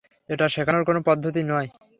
এটা শেখানোর কোন পদ্ধতি নয়।